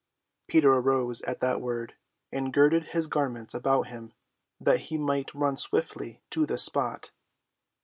Peter arose at that word and girded his garments about him that he might run swiftly to the spot.